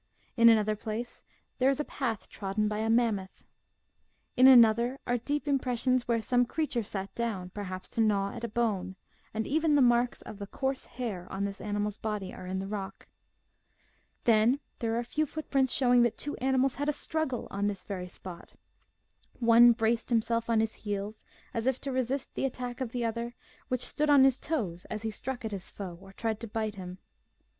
In another place there is a path trodden by a Mammoth. In another are deep impressions where some creature sat down, perhaps to gnaw at a bone, and even the marks of the coarse hair on this animal's body are in the rock. Then there are footprints showing that two animals had a struggle on this very spot. One braced himself on his heels as if to resist the attack of the other which stood on his toes as he struck at his foe or tried to bite him.